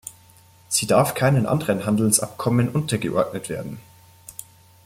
Sie darf keinen anderen Handelsabkommen untergeordnet werden.